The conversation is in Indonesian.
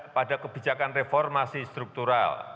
pada kebijakan reformasi struktural